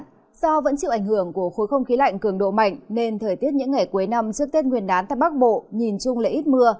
do vẫn chịu ảnh hưởng của khối không khí lạnh cường độ mạnh nên thời tiết những ngày cuối năm trước tết nguyên đán tại bắc bộ nhìn chung là ít mưa